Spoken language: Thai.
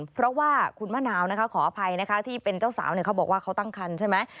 เพราะว่าคุณมะนาวนะคะขออภัยนะคะที่เป็นเจ้าสาวเขาบอกว่าเขาตั้งคันใช่ไหม